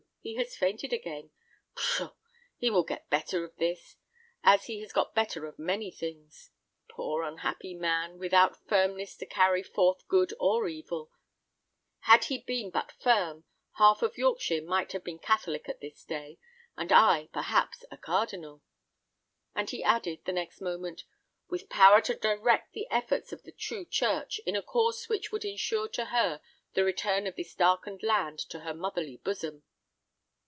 He has fainted again. Pshaw! he will get better of this, as he has got better of many things. Poor, unhappy man, without firmness to carry forth good or evil! Had he but been firm, half of Yorkshire might have been Catholic at this day, and I, perhaps, a cardinal," and he added, the next moment, "with power to direct the efforts of the true church, in a course which would insure to her the return of this darkened land to her motherly bosom."